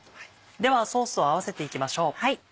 ではソースを合わせていきましょう。